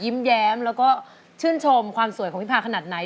แย้มแล้วก็ชื่นชมความสวยของพี่พาขนาดไหน